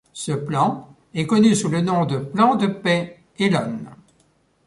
Ce plan est connu sous le nom de Plan de paix Elon.